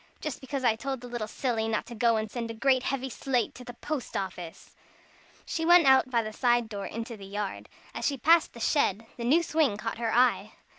Just because I told the little silly not to go and send a great heavy slate to the post office!" She went out by the side door into the yard. As she passed the shed, the new swing caught her eye.